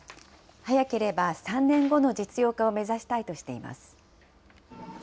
早ければ３年後の実用化を目指したいとしています。